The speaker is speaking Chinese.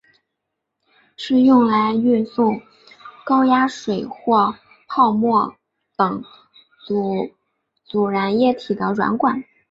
是用来运送高压水或泡沫等阻燃液体的软管。